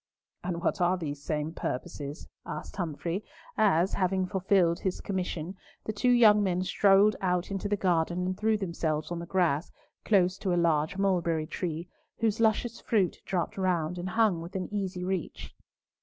"And what are these same purposes?" asked Humfrey, as, having fulfilled his commission, the two young men strolled out into the garden and threw themselves on the grass, close to a large mulberry tree, whose luscious fruit dropped round, and hung within easy reach.